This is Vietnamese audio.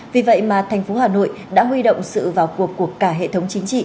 vì vậy mà thành phố hà nội đã huy động sự vào cuộc của cả hệ thống chính trị